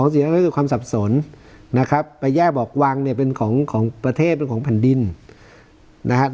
๒๔๗๕ทำให้เกิดความสับสนนะครับประแยบอกวางเนี่ยเป็นของประเทศเป็นของพันธุ์ดินนะครับ